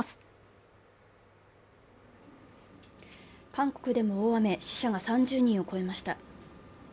韓国でも大雨死者が３０人を超えました。